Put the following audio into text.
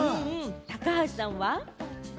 高橋さんは？